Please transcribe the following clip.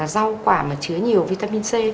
rau quả mà chứa nhiều vitamin c